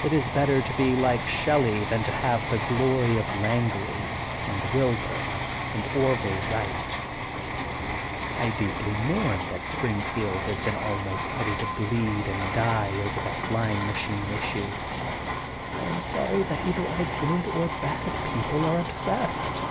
It is better to be like Shelley than to have the glory of Langley and Wilbur and Orville Wright. I deeply mourn that Springfield has been almost ready to bleed and die over the flying machine issue. I am sorry that either our good or our bad people are obsessed.